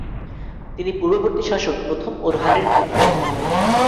তিনি পূর্ববর্তী শাসক প্রথম ওরহানের পুত্র।